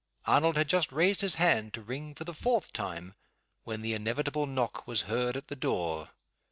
Arnold had just raised his hand to ring for the fourth time, when the inevitable knock was heard at the door.